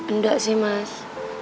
enggak sih mas